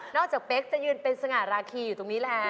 จากเป๊กจะยืนเป็นสง่าราคีอยู่ตรงนี้แล้ว